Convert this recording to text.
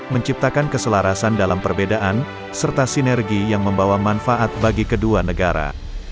menciptakan keselarasan dalam perbedaan serta sinergi yang membawa manfaat bagi kedua negara